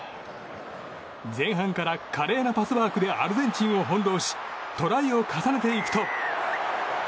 前半から華麗なパスワークでアルゼンチンを翻弄しトライを重ねていくと。